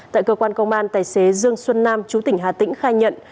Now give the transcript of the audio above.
tại cơ quan công an tài xế dương xuân nam chú tỉnh hà tĩnh khai nhận